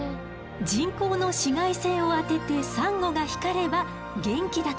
人工の紫外線を当ててサンゴが光れば元気だという証しよ。